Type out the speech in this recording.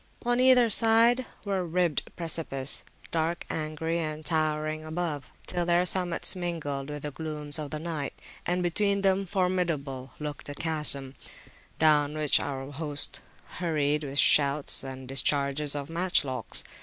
On either side were ribbed precipices, dark, angry, and towering above, till their summits mingled with the glooms of night; and between them formidable looked the chasm, down which our host hurried with shouts and discharges of matchlocks.